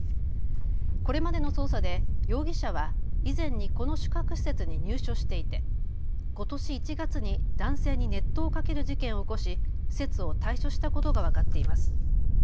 これまでの捜査で容疑者は以前にこの宿泊施設に入所していて、ことし１月に男性に熱湯をかける事件を起こし施設を退所したことが分かっています。